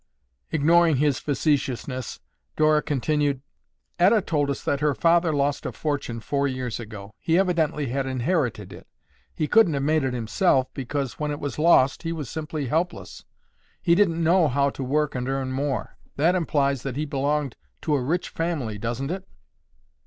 Ignoring his facetiousness, Dora continued, "Etta told us that her father lost a fortune four years ago. He evidently had inherited it. He couldn't have made it himself, because, when it was lost, he was simply helpless. He didn't know how to work and earn more. That implies that he belonged to a rich family, doesn't it?"